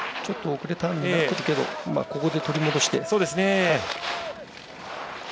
ちょっと遅れているけどここで取り戻して。